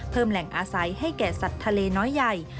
แหล่งอาศัยให้แก่สัตว์ทะเลน้อยใหญ่